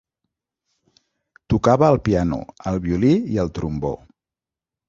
Tocava el piano, el violí i el trombó.